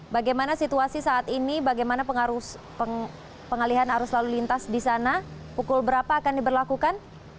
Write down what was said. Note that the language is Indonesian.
bagaimana situasi saat ini bagaimana pengalihan arus lalu lintas di sana pukul berapa akan diberlakukan